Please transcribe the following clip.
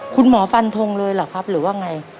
คุณหมอฟันทงเลยหรือว่าไง